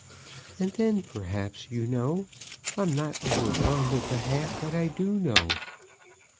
"And then, perhaps, you know, I'm not over fond of the half that I do know."